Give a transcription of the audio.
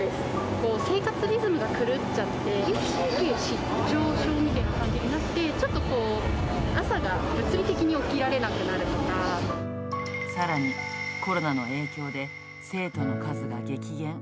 もう生活リズムが狂っちゃって、自律神経失調症みたいな感じになって、ちょっとこう、朝が物理的さらに、コロナの影響で生徒の数が激減。